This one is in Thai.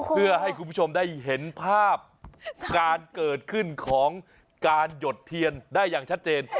เพื่อให้คุณผู้ชมได้เห็นภาพการเกิดขึ้นของการหยดเทียนได้อย่างชัดเจน